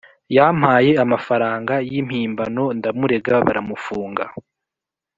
Yampaye amafaranga yi mpimbano ndamurega baramufunga